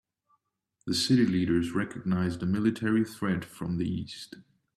The city leaders recognized a military threat from the east.